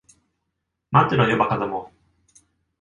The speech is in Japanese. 待ってろよ、馬鹿ども。